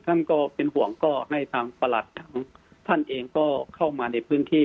ก็เป็นห่วงก็ให้ทางประหลัดของท่านเองก็เข้ามาในพื้นที่